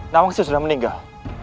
nawang esim sudah meninggal